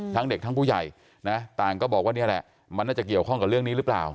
ทั้งเด็กทั้งผู้ใหญ่นะต่างก็บอกว่านี่แหละมันน่าจะเกี่ยวข้องกับเรื่องนี้หรือเปล่า